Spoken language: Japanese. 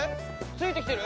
ついてきてる！